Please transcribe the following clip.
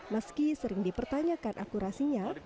meski sering dipertanyakan akurasinya